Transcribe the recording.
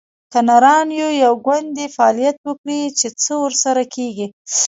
که نران یو، یو ګوند دې فعالیت وکړي؟ چې څه ورسره کیږي